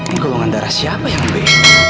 ini golongan darah siapa yang beli